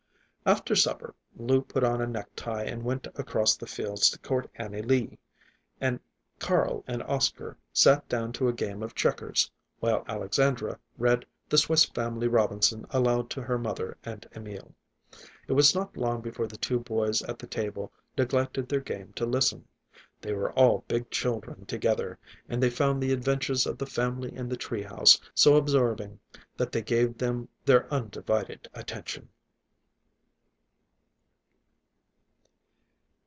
After supper Lou put on a necktie and went across the fields to court Annie Lee, and Carl and Oscar sat down to a game of checkers, while Alexandra read "The Swiss Family Robinson" aloud to her mother and Emil. It was not long before the two boys at the table neglected their game to listen. They were all big children together, and they found the adventures of the family in the tree house so absorbing that they gave them their undivided attention.